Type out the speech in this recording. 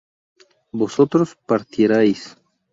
vosotros partierais